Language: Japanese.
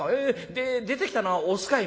で出てきたのはオスかい？